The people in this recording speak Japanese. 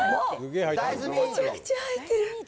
めちゃくちゃ入ってる。